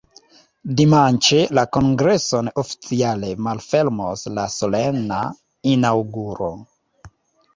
Dimanĉe la kongreson oficiale malfermos la solena inaŭguro.